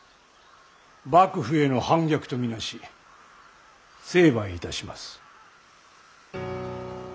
幕府への反逆と見なし成敗いたします。